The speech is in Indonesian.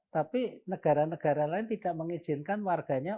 tapi negara negara lain tidak mengizinkan warganya